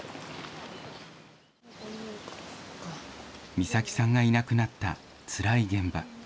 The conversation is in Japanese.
美咲さんがいなくなったつらい現場。